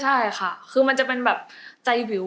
ใช่ค่ะคือมันจะเป็นแบบใจวิว